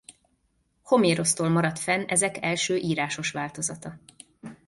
Homérosztól maradt fenn ezek első írásos változata.